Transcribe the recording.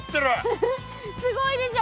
フフすごいでしょ。